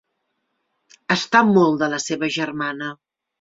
Està molt de la seva germana.